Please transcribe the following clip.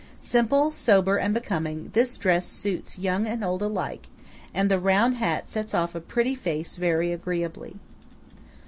Simple, sober, and becoming, this dress suits young and old alike; and the round hat sets off a pretty face very agreeably.